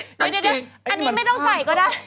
เดี๋ยวอันนี้ไม่ต้องใส่ก็ได้